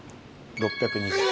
６２０円。